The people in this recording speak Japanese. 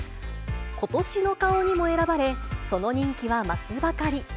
今年の顔にも選ばれ、その人気は増すばかり。